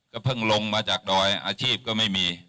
เพิ่งลงมาจากดอยอาชีพก็ไม่มี